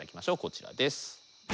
こちらです。